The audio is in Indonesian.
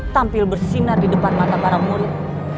tampil bersinar di depan mata para murid